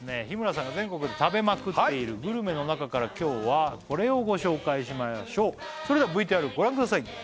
日村さんが全国で食べまくっているグルメの中から今日はこれをご紹介してまいりましょうそれではＶＴＲご覧ください